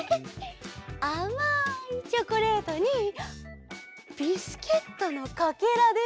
あまいチョコレートにビスケットのかけらでしょ。